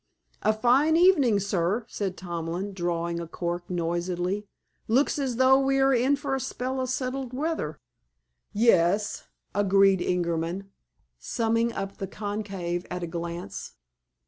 "A fine evenin', sir," said Tomlin, drawing a cork noisily. "Looks as though we were in for a spell o' settled weather." "Yes," agreed Ingerman, summing up the conclave at a glance.